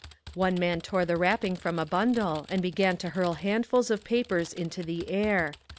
One man tore the wrapping from a bundle and began to hurl handfuls of papers into the air.